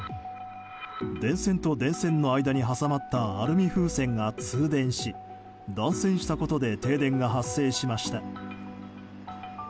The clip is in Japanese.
電線と電線の間に挟まったアルミ風船が通電し断線したことで停電が発生しました。